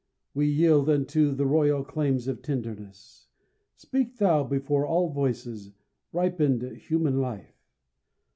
We yield unto The royal claims of tenderness. Speak thou Before all voices, ripened human life!